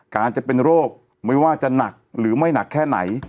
การจะเป็นโรคไม่ว่าจะหนักหรือไม่หนักแค่ไหน